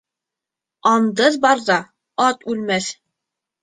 Андыҙ барҙа ат үлмәҫ.